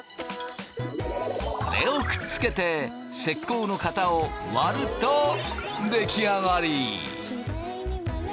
これをくっつけて石膏の型を割ると出来上がり。